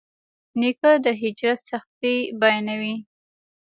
نیکه د هجرت سختۍ بیانوي.